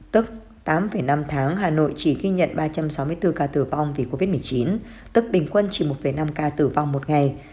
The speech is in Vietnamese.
tức tám năm tháng hà nội chỉ ghi nhận ba trăm sáu mươi bốn ca tử vong vì covid một mươi chín tức bình quân chỉ một năm ca tử vong một ngày